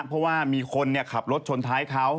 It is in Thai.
เพราะว่ามีคนขับรถชนท้ายเขา